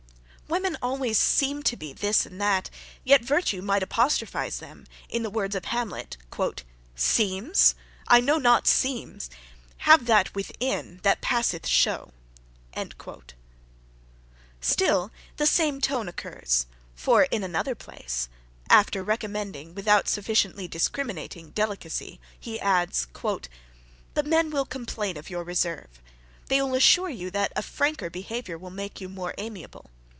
Women are always to SEEM to be this and that yet virtue might apostrophize them, in the words of Hamlet Seems! I know not seems! Have that within that passeth show! Still the same tone occurs; for in another place, after recommending, (without sufficiently discriminating) delicacy, he adds, "The men will complain of your reserve. They will assure you that a franker behaviour would make you more amiable.